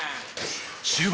終盤